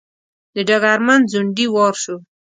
د ډګرمن ځونډي وار شو.